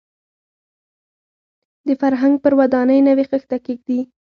د فرهنګ پر ودانۍ نوې خښته کېږدي.